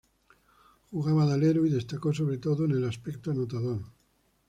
Jugaba de alero, y destacó sobre todo en el aspecto anotador.